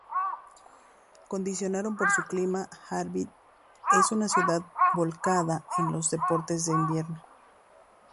Condicionada por su clima, Harbin es una ciudad volcada en los deportes de invierno.